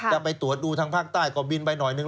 จะไปตรวจดูทางภาคใต้ก็บินไปหน่อยนึง